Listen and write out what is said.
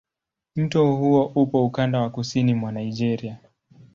Mto huo upo ukanda wa kusini mwa Nigeria.